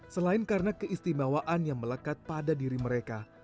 selain karena keistimewaan yang melekatkan